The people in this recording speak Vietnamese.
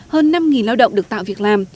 hơn năm lao động được tạo việc làm